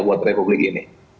buat republik ini